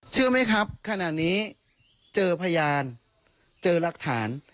เชื่อไหมครับขณะนี้เจอพยานเจอรักฐาน